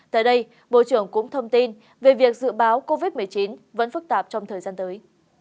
tại đây bộ trưởng cũng thông tin về việc dự báo covid một mươi chín vẫn phức tạp trong thời gian tới